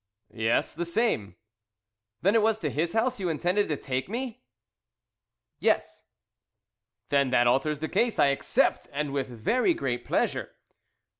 "Yes, the same." "Then it was to his house you intended to take me?" "Yes." "Then that alters the case. I accept, and with very great pleasure."